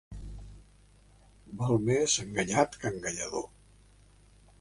Val més enganyat que enganyador.